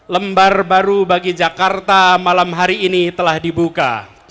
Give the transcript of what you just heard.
lembar baru bagi jakarta malam hari ini telah dibuka